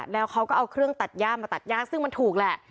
แล้วเขาก็เอาเครื่องตัดย่ามาตัดย่าซึ่งมันถูกแหละ